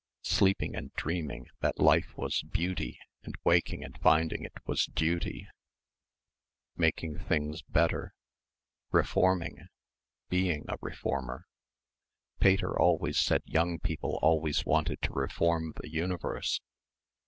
sleeping and dreaming that life was beauty and waking and finding it was duty ... making things better, reforming ... being a reformer.... Pater always said young people always wanted to reform the universe